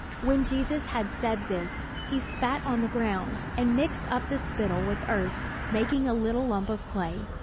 When Jesus had said this, he spat on the ground, and mixed up the spittle with earth, making a little lump of clay.